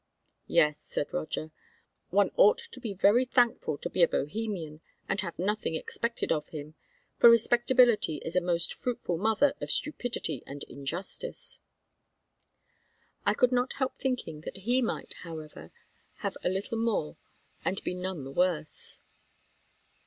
"Yes," said Roger; "one ought to be very thankful to be a Bohemian, and have nothing expected of him, for respectability is a most fruitful mother of stupidity and injustice." I could not help thinking that he might, however, have a little more and be none the worse.